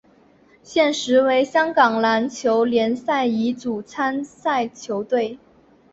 现时为香港篮球联赛乙组参赛球队。